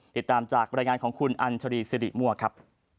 ติดตามจากบรรยายงานของคุณอัญชรีสิริมั่วครับ